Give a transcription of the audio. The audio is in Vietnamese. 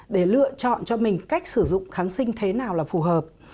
để lựa chọn cho mình cách sử dụng kháng sinh thế nào là phù hợp